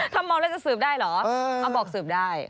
ถ้ามองแล้วจะสืบได้เหรอเอาบอกสืบได้